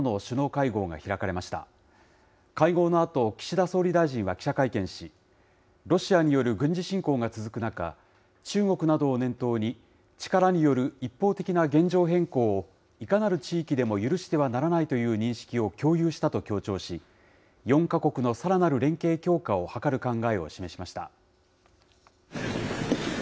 会合のあと、岸田総理大臣は記者会見し、ロシアによる軍事侵攻が続く中、中国などを念頭に、力による一方的な現状変更を、いかなる地域でも許してはならないという認識を共有したと強調し、４か国のさらなる連携強化を図る考えを示しました。